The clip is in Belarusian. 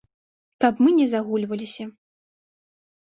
Каб мы не загульваліся.